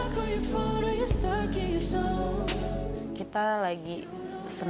kita lagi seneng